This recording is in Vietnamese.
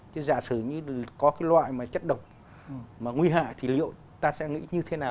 chứ giả sử như có cái loại mà chất độc mà nguy hại thì liệu ta sẽ nghĩ như thế nào